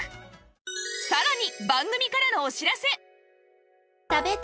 さらに